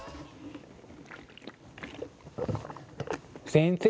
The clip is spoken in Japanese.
先生